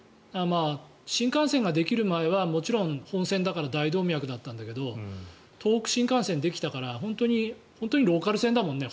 新幹線ができる前はもちろん本線だから大動脈だったんだけど東北新幹線ができたから本当にローカル線だもんね。